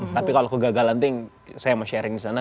tapi kalau kegagalan itu yang saya mau sharing disana